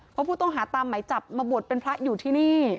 เพราะผู้ต้องหาตามไหมจับมาบวชเป็นพระอยู่ที่นี่